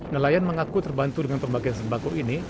nelayan mengaku terbantu dengan pembagian sembako ini